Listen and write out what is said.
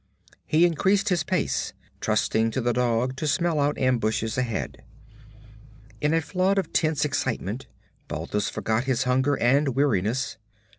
He increased his pace, trusting to the dog to smell out ambushes ahead. In a flood of tense excitement Balthus forgot his hunger and weariness.